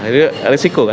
ini resiko kan